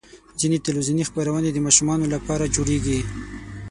ځینې تلویزیوني خپرونې د ماشومانو لپاره جوړېږي.